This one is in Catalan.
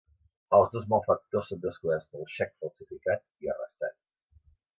Els dos malfactors són descoberts pel xec falsificat i arrestats.